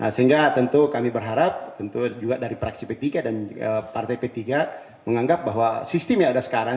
sehingga tentu kami berharap tentu juga dari praksi p tiga dan partai p tiga menganggap bahwa sistem yang ada sekarang